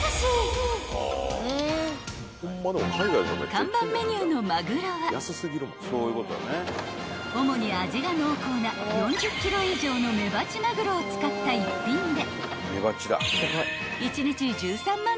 ［看板メニューのまぐろは主に味が濃厚な４０ｋｇ以上のメバチマグロを使った一品で］